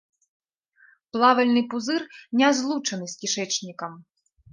Плавальны пузыр не злучаны з кішэчнікам.